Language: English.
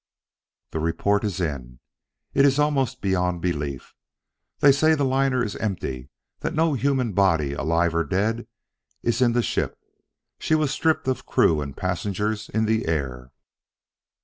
"The report is in; it is almost beyond belief. They say the liner is empty, that no human body, alive or dead, is in the ship. She was stripped of crew and passengers in the air.